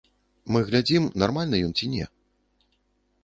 Мы глядзім, нармальны ён ці не.